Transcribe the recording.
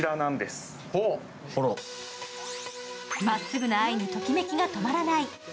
まっすぐな愛にときめきが止まらない。